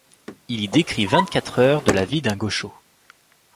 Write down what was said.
Il y décrit vingt-quatre heures de la vie d'un gaucho.